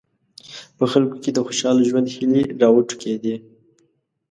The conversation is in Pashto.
په خلکو کې د خوشاله ژوند هیلې راوټوکېدې.